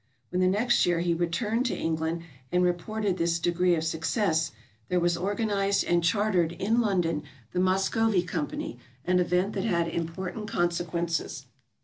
When the next year he returned to England and reported this degree of success, there was organized and chartered in London the Muscovy Company, an event that had important consequences.